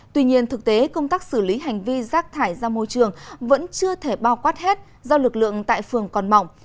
tuy nhiên thực tế công tác xử lý hành vi rác thải ra môi trường vẫn chưa thể bao quát hết do lực lượng tại phường còn mỏng